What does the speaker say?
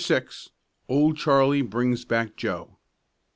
OLD CHARLIE BRINGS BACK JOE.